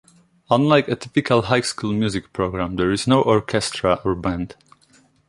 Unlike a typical high-school music program, there is no orchestra or band.